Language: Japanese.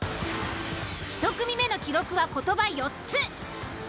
１組目の記録は言葉４つ。